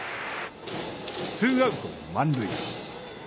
ツーアウト、満塁。